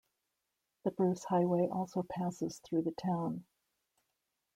The Bruce Highway also passes through the town.